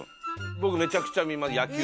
僕めちゃくちゃ見ます。